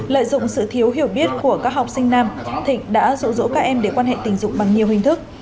lợi dụng sự thiếu hiểu biết của các học sinh nam thịnh đã rỗ các em để quan hệ tình dụng bằng nhiều hình thức